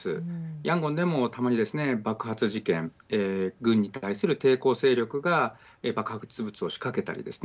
ヤンゴンでもたまにですね爆発事件軍に対する抵抗勢力が爆発物を仕掛けたりですね